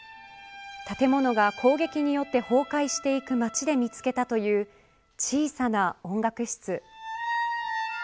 建物が攻撃によって崩壊していく街で見つけたという小さな音楽室。